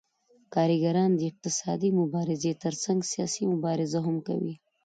کارګران د اقتصادي مبارزې ترڅنګ سیاسي مبارزه هم کوي